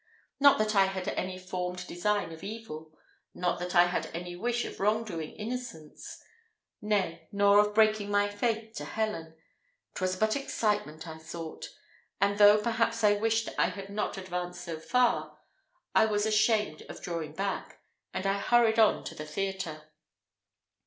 Not that I had any formed design of evil not that I had any wish of wronging innocence nay, nor of breaking my faith to Helen. 'Twas but excitement I sought; and though perhaps I wished I had not advanced so far, I was ashamed of drawing back, and I hurried on to the theatre.